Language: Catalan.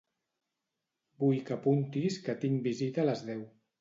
Vull que apuntis que tinc visita a les deu.